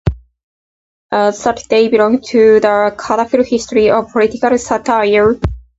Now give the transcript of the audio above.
As such they belong to the colorful history of political satire.